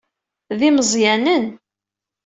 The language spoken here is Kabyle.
D imeẓyanen.